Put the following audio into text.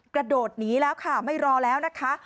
กระโดดหนีแล้วค่ะไม่รอแล้วนะคะ